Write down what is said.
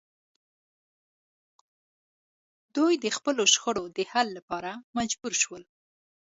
دوی د خپلو شخړو د حل لپاره مجبور شول